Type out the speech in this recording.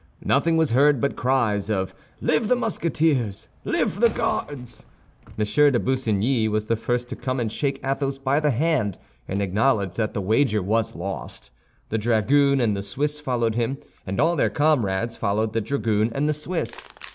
Nothing was heard but cries of "Live the Musketeers! Live the Guards!" M. de Busigny was the first to come and shake Athos by the hand, and acknowledge that the wager was lost. The dragoon and the Swiss followed him, and all their comrades followed the dragoon and the Swiss.